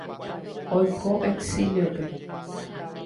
Oiko exiliope.